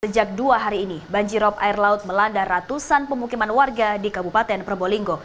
sejak dua hari ini banjirop air laut melanda ratusan pemukiman warga di kabupaten probolinggo